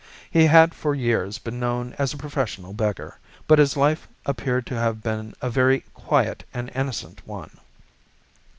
He had for years been known as a professional beggar, but his life appeared to have been a very quiet and innocent one.